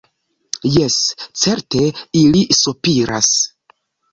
Jes, certe ili sopiras.